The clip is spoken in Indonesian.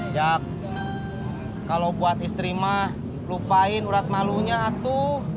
jack kalau buat istri ma lupain urat malunya atu